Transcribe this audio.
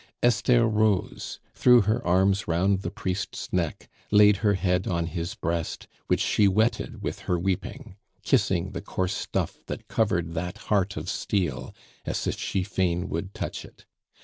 Esther rose, threw her arms round the priest's neck, laid her head on his breast, which she wetted with her weeping, kissing the coarse stuff that covered that heart of steel as if she fain would touch it.